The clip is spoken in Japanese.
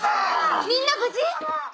みんな無事？